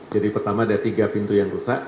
jadi pertama ada tiga pintu yang rusak